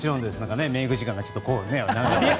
メイク時間がちょっとね。